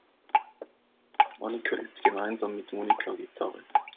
Annika übt gemeinsam mit Monika Gitarre.